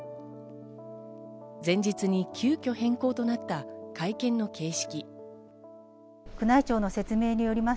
前日に急きょ変更となった会見の形式。